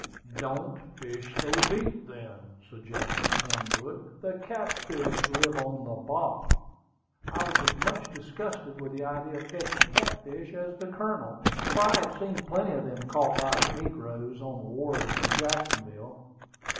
"Don't fish so deep, then," suggested Cornwood. "The catfish live on the bottom." I was as much disgusted with the idea of catching catfish as the Colonel, for I had seen plenty of them caught by the negroes on the wharves at Jacksonville.